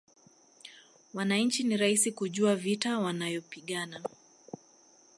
Wananchi ni rahisi kujua vita wanayopigana